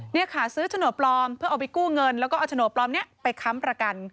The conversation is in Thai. นี่ค่ะซื้อโฉนดปลอมเพื่อเอาไปกู้เงินแล้วก็เอาโฉนดปลอมนี้ไปค้ำประกัน